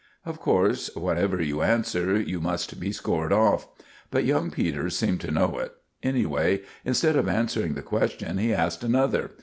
Of course, whatever you answer, you must be scored off. But young Peters seemed to know it. Anyway, instead of answering the question he asked another.